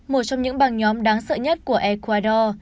một trong những bằng nhóm đáng sợ nhất của ecuador